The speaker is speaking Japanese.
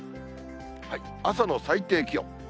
朝の最低気温。